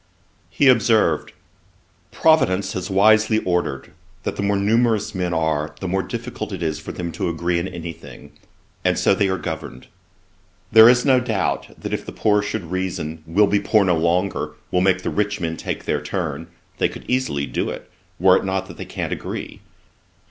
He observed, 'Providence has wisely ordered that the more numerous men are, the more difficult it is for them to agree in any thing, and so they are governed. There is no doubt, that if the poor should reason, "We'll be the poor no longer, we'll make the rich take their turn," they could easily do it, were it not that they can't agree.